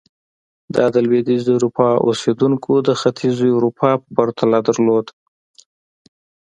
دا د لوېدیځې اروپا اوسېدونکو د ختیځې اروپا په پرتله درلود.